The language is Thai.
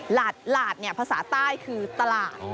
หลาดภาษาใต้คือตลาด